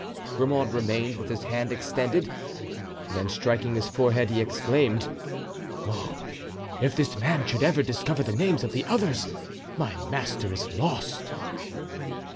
Grimaud remained with his hand extended; then, striking his forehead, he exclaimed: "Oh! if this man should ever discover the names of the others, my master is lost."